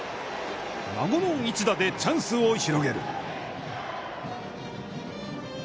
孫の一打でチャンスを広げる。